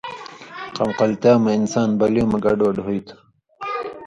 قمقملتیا مہ انسان بلیوں مہ گڈ وَڈ ہُوئ تُھو